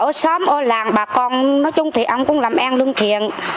ở xóm ở làng bà con nói chung thì ông cũng làm em đương thiện